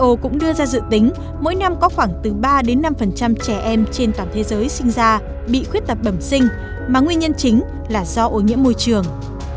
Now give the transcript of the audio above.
tổ chức y tế thế giới who cũng đưa ra dự tính mỗi năm có khoảng từ ba năm trẻ em trên toàn thế giới sinh ra bị khuyết tập bẩm sinh mà nguyên nhân chính là do ô nhiễm môi trường